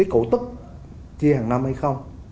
cổ tức chia hàng năm hay không